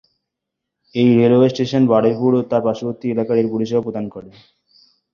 এই রেলওয়ে স্টেশনটি বারুইপুর ও তার পার্শ্ববর্তী এলাকাগুলিতে রেল পরিষেবা প্রদান করে।